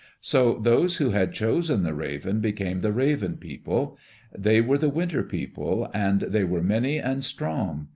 So those who had chosen the raven, became the Raven People. They were the Winter People and they were many and strong.